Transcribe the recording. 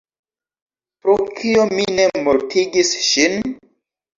Pro kio mi ne mortigis ŝin?